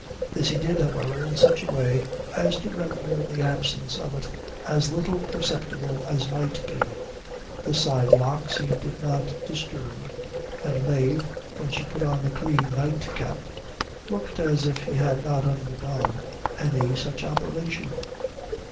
This he did, however, in such a way as to render the absence of it as little perceptible as might be; the side locks he did not disturb, and Mave, when she put on a clean night cap, looked as if she had not undergone any such operation.